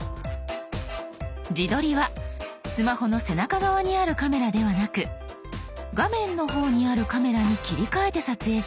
自撮りはスマホの背中側にあるカメラではなく画面の方にあるカメラに切り替えて撮影します。